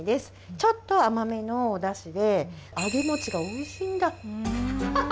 ちょっと甘めのおだしで、揚げ餅がおいしいんだ。